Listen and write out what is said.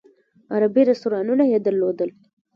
عربي رستورانونه یې درلودل.